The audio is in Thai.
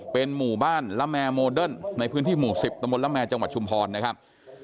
เป็นหมู่บ้านละแมร์โมเดิร์นในพื้นที่หมู่๑๐ตำบลละแมจังหวัดชุมพรนะครับ